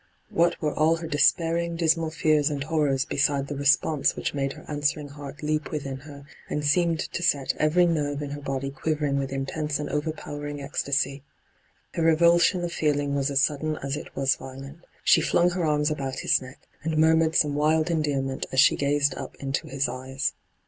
What were all her despairing, dismal fears and horrors beside the response which made her answering heart leap within her, and seemed to set every nerve in her body quivering with intense and over powering ecstasy ? Her revulsion of feeling was as sudden as it was violent. She flung her arms about his neck, and murmured some wild endearment as she gazed up into his eyes.